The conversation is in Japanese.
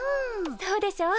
そうでしょう？